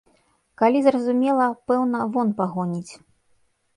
Калі зразумела, пэўна, вон пагоніць.